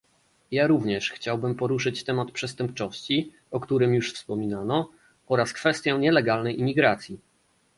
Ja również chciałbym poruszyć temat przestępczości, o którym już wspominano, oraz kwestię nielegalnej imigracji